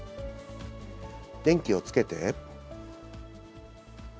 電気をつけて。